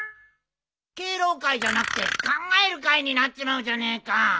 敬老会じゃなくて考える会になっちまうじゃねえか。